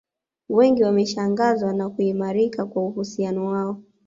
Wengi wameshangazwa na kuimarika kwa uhusiano wao